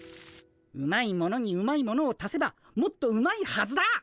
うまいものにうまいものを足せばもっとうまいはずだ！